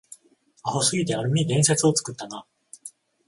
アホすぎて、ある意味伝説を作ったな